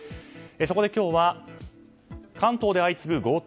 そこで今日は関東で相次ぐ強盗。